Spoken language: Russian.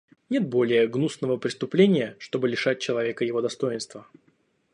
Нет более гнусного преступления, чтобы лишать человека его достоинства.